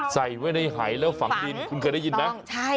ใส่ไว้ในหายแล้วฝังดินฝังคุณเคยได้ยินมั้ยต้องใช่